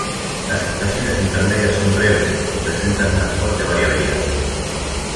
Las estaciones intermedias son breves, y presentan una fuerte variabilidad.